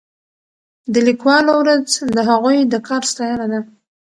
د لیکوالو ورځ د هغوی د کار ستاینه ده.